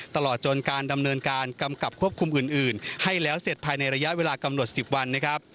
ตลอดจนการดำเนินการกำกับควบคุมอื่นให้แล้วเสร็จภายในระยะเวลากำหนด๑๐วันนะครับ